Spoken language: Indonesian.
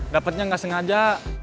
dapetnya gak sengaja